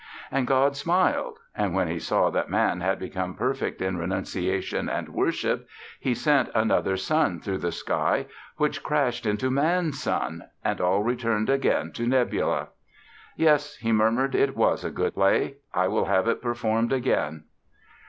And God smiled; and when he saw that Man had become perfect in renunciation and worship, he sent another sun through the sky, which crashed into Man's sun; and all returned again to nebula. "'Yes,' he murmured, 'it was a good play; I will have it performed again.'"